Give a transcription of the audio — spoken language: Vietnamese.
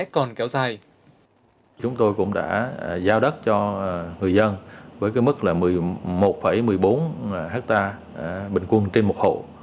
chúng tôi cũng đã giao đất cho người dân với mức một mươi một một mươi bốn hectare bình quân trên một hộ